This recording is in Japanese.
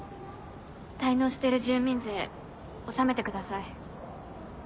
滞納してる住民税納めてください。